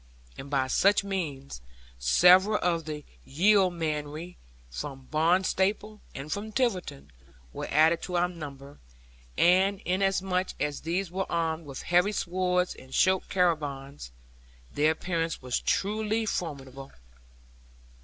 And by such means, several of the yeomanry from Barnstaple, and from Tiverton, were added to our number; and inasmuch as these were armed with heavy swords, and short carabines, their appearance was truly formidable.